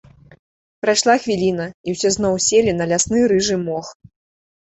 Прайшла хвіліна, і ўсе зноў селі на лясны рыжы мох.